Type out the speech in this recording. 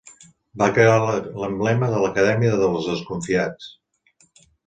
Va crear l'emblema de l'Acadèmia dels Desconfiats.